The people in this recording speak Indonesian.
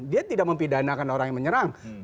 dia tidak mempidanakan orang yang menyerang